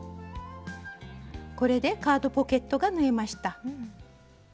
これでカードポケットが縫えました。